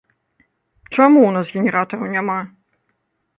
Чаму ў нас генератараў няма?